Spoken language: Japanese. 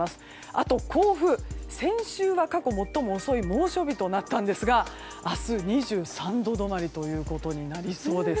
あと甲府、先週は過去最も遅い猛暑日となったんですが明日２３度止まりとなりそうです。